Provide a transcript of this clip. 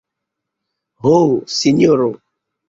Ho, sinjoro!